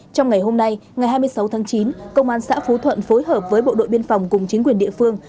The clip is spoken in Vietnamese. trong ngày hôm nay ngày hai mươi sáu tháng chín công an xã phú thuận phối hợp với bộ đội biên phòng cùng chính quyền địa phương